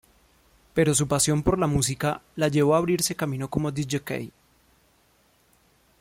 Pero su pasión por la música la llevó a abrirse camino como discjockey.